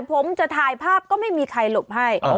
ผมจะถ่ายภาพก็ไม่มีใครหลบให้